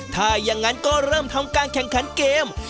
ถ้าอย่างนั้นก็เริ่มทำการแข่งขันเกม